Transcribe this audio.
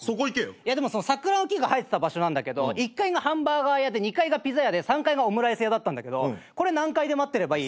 いやでもその桜の木が生えてた場所なんだけど１階がハンバーガー屋で２階がピザ屋で３階がオムライス屋だったんだけどこれ何階で待ってればいい？